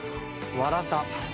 わらさ。